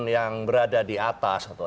yang berada di atas atau